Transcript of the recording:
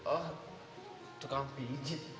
oh tukang pijit